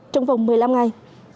trong vòng một mươi năm ngày